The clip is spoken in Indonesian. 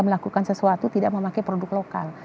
melakukan sesuatu tidak memakai produk lokal